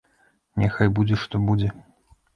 Няхай будзе што будзе.